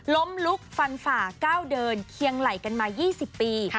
ล้มลุกฟันฝ่าก้าวเดินเคียงไหล่กันมา๒๐ปี